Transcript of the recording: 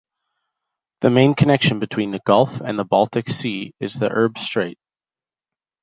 The main connection between the gulf and the Baltic Sea is the Irbe Strait.